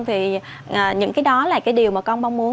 thì những cái đó là cái điều mà con mong muốn